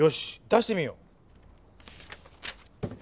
出してみよう。